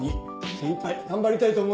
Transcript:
精いっぱい頑張りたいと思います。